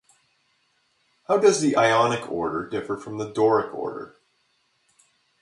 How does the Ionic order differ from the Doric order?